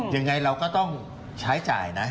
ยังไงเราก็ต้องใช้จ่ายนะ